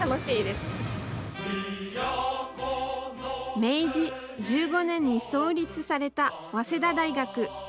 明治１５年に創立された早稲田大学。